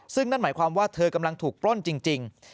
ซึ่งนั่นหมายความว่าเธอกำลังถูกปล้นจริง